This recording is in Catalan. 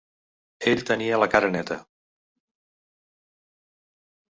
Ell tenia la cara neta.